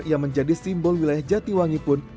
yang menjadi simbol wilayah jatiwangi pun